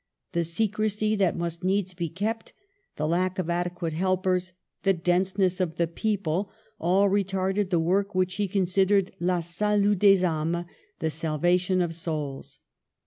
The secrecy that must needs be kept, the lack of adequate helpers, the dense ness of the people, — all retarded the work which she considered la sahU des dines (" the salvation of souls.")